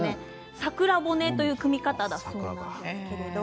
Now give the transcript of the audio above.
桜骨という組み方なんです。